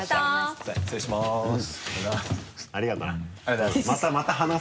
ありがとうな。